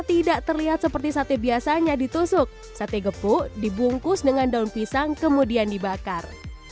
tidak terlihat seperti sate biasanya ditusuk sate gepuk dibungkus dengan daun pisang kemudian dibakar